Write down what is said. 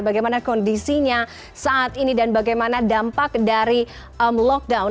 bagaimana kondisinya saat ini dan bagaimana dampak dari lockdown